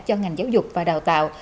cho ngành giáo dục và đào tạo